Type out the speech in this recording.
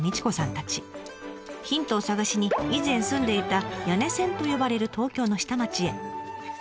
ヒントを探しに以前住んでいた「谷根千」と呼ばれる東京の下町へ。